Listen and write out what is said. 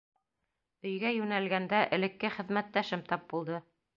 Өйгә йүнәлгәндә, элекке хеҙмәттәшем тап булды.